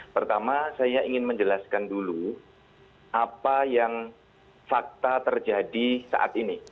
pertama saya ingin menjelaskan dulu apa yang fakta terjadi saat ini